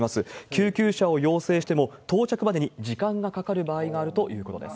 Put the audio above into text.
救急車を要請しても、到着までに時間がかかる場合があるということです。